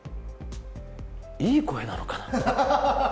いい声なのかなって。